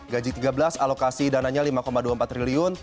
gaji tiga belas alokasi dananya rp lima dua puluh empat triliun